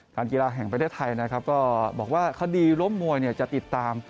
กีฬาแห่งประเทศไทยนะครับก็บอกว่าคดีล้มมวยจะติดตาม